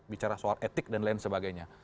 bicara soal etik dan lain sebagainya